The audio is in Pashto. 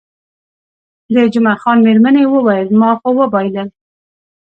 د جمعه خان میرمنې وویل، ما خو وبایلل.